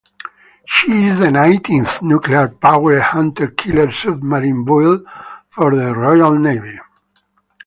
She is the nineteenth nuclear-powered hunter-killer submarine built for the Royal Navy.